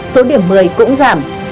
số điểm một mươi cũng giảm